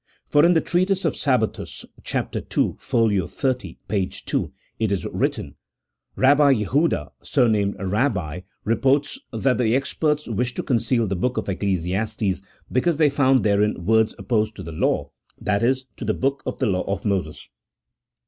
For in the treatise of Sabbathus, chapter ii., folio 30, page 2, it is written: "R. Jehuda, surnamed Eabbi, reports that the experts wished to conceal the book of Ecclesiastes because they found therein words opposed to the law (that is, to the book of the law of Moses).